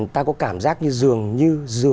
ta có cảm giác như dường như